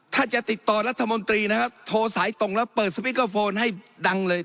ถ้าจะติดต่อรัฐมนตรีนะครับโทรสายตรงแล้วเปิดสปีกเกอร์โฟนให้ดังเลย